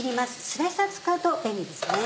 スライサー使うと便利ですね。